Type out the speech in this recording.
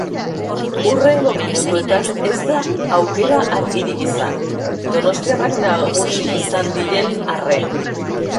Hurrengo minutuetan ez da aukera argirik izan, donostiarrak nagusi izan diren arren.